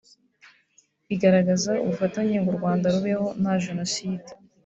bigaragaza ubufatanye ngo u Rwanda rubeho nta jenoside